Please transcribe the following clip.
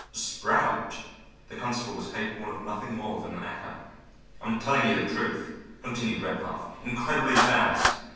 "Sprout?" The constable was capable of nothing more than an echo. "I'm telling you the truth," continued Redpath. "Incredibly fast.